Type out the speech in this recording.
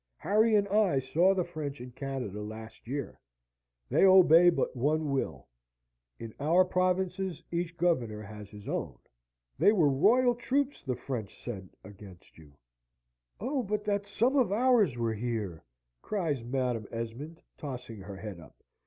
Harry and I saw the French in Canada last year. They obey but one will: in our provinces each governor has his own. They were royal troops the French sent against you..." "Oh, but that some of ours were here!" cries Madam Esmond, tossing her head up.